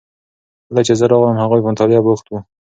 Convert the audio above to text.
کله چې زه راغلم هغوی په مطالعه بوخت وو.